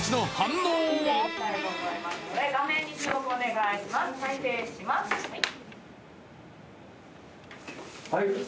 はい